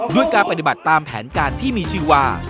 ด้วยการปฏิบัติตามแผนการที่มีชื่อว่า